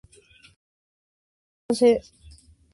Además, era simpatizante de Nasser y de los Oficiales Libres.